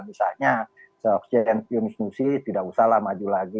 misalnya soekarno hartemunis musi tidak usah lah maju lagi